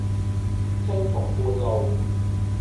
青松觀路